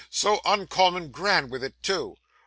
So uncommon grand with it too!